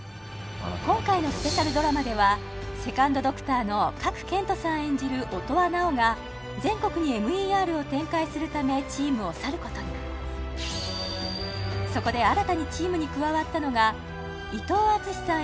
今回のスペシャルドラマではセカンドドクターの賀来賢人さん演じる音羽尚が全国にＭＥＲを展開するためチームを去ることにそこで新たにチームに加わったのが伊藤淳史さん